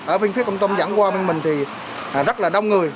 ở bên phía công tông dẫn qua bên mình thì rất là đông người